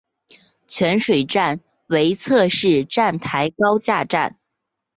泉水站为侧式站台高架站。